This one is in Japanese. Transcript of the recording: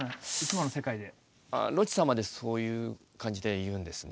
ロッチさんまでそういう感じで言うんですね。